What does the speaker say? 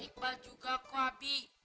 iqbal juga kok abie